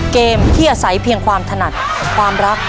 เกมที่อาศัยเพียงความถนัดความรัก